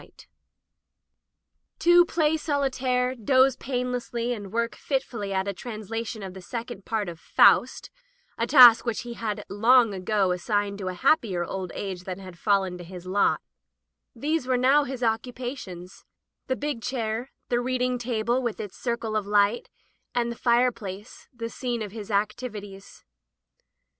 Digitized by LjOOQ IC Interventions To play solitaire, doze painlessly, and work fitfully at a translation of the second part of " Faust'* — z task which he had long ago as signed to a happier old age than had fallen to his lot — ^these were now his occupations; the big chair, the reading table with its circle of light, and the fireplace, the scene of his ac tivities.